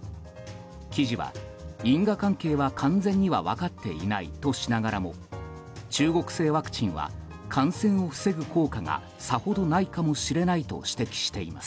記事は、因果関係は完全には分かっていないとしながらも中国製ワクチンは感染を防ぐ効果がさほどないかもしれないと指摘しています。